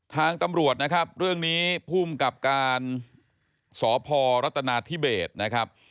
ทางตำรวจนะครับเรื่องนี้ภูมิกับการสพรัฐนาธิเบสนะครับ